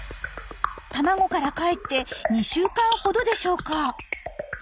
卵からかえって２週間ほどでしょうか？